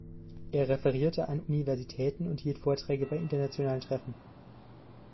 Er referierte an Universitäten und hielt Vorträge bei internationalen Treffen.